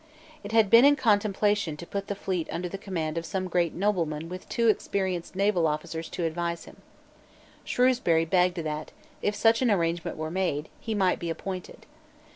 It had been in contemplation to put the fleet under the command of some great nobleman with two experienced naval officers to advise him. Shrewsbury begged that, if such an arrangement were made, he might be appointed.